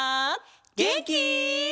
げんき？